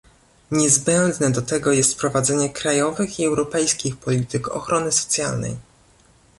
Niezbędne do tego jest prowadzenie krajowych i europejskich polityk ochrony socjalnej